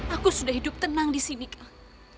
aku sudah hidup tenang disini kang